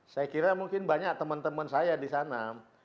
saya kira mungkin banyak teman teman saya di sana